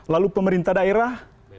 lalu pemerintah daerah